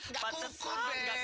gak kukur deh